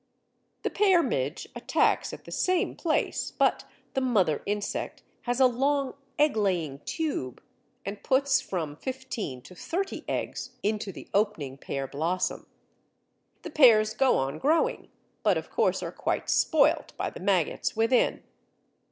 The Pear Midge attacks at the same place, but the mother insect has a long egg laying tube, and puts from fifteen to thirty eggs into the opening pear blossom. The pears go on growing, but of course are quite spoilt by the maggots within.